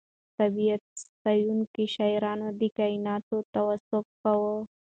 طبیعت ستایونکي شاعران د کائناتو توصیف کوي.